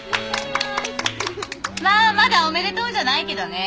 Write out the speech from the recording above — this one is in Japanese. まあまだおめでとうじゃないけどね。